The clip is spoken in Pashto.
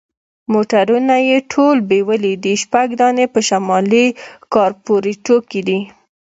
موټرونه یې ټول بیولي دي، شپږ دانې په شمالي کارپوریتو کې دي.